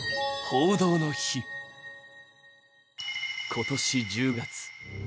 今年１０月。